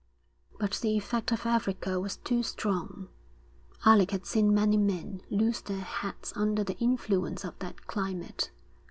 But the effect of Africa was too strong. Alec had seen many men lose their heads under the influence of that climate.